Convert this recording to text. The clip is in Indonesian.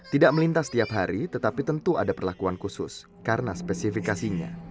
tidak melintas setiap hari tetapi tentu ada perlakuan khusus karena spesifikasinya